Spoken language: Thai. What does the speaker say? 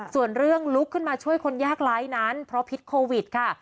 ส่วนเรื่องลุกขึ้นมาช่วยคนยากไร้นั้นเพราะพิษโควิดค่ะ